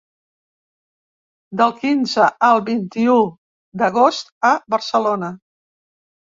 Del quinze al vint-i-u d’agost a Barcelona.